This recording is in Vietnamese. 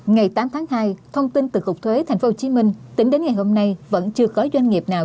ngày tám tháng hai thông tin từ cục thuế tp hcm tính đến ngày hôm nay vẫn chưa có doanh nghiệp nào